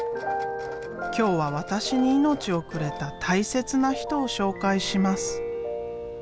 今日は私に命をくれた大切な人を紹介します。